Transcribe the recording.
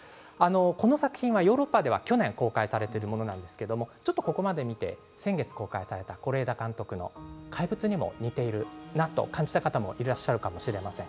この作品はヨーロッパでは去年公開されているものなんですけれどもここまで見て先月公開された是枝監督の「怪物」にも似ているなと感じた方もいらっしゃるかもしれません。